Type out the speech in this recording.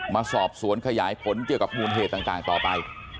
มาสอบสวนขยายผลเกี่ยวกับมูลเหตุต่างต่อไป